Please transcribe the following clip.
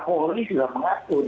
polda ini sudah mengatur